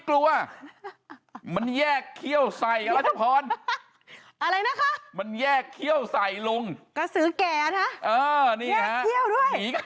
กลัวอ่ะมันแยกเขี้ยวใส่เอาว่าร้างอะไรนะคะมันแยกเขี้ยวใส่ลุงเกษียร่ะ